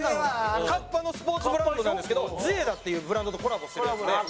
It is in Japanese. ＫａｐｐａのスポーツブランドなんですけどＪｉｅＤａっていうブランドとコラボしてるやつで。